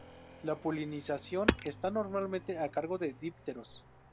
La polinización está normalmente a cargo de dípteros.